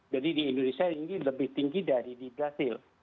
jadi di indonesia ini lebih tinggi dari di brazil